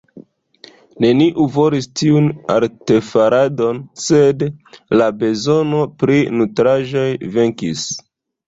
Neniu volis tiun artefaradon, sed la bezono pri nutraĵoj venkis.